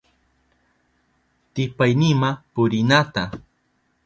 Tipaynima purinata,